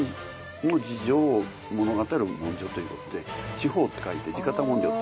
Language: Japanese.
地方って書いて地方文書。